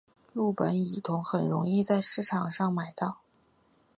氯苯乙酮很容易在市面上买到。